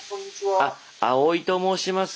あっ青井と申します。